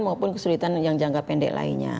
maupun kesulitan yang jangka pendek lainnya